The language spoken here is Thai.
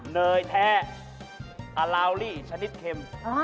เนยแท้อลาวลี่ชนิดเข็ม